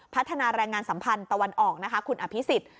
พัฒนาแรงงานสัมพันธ์ตะวันออกนะคะคุณอภิษฎ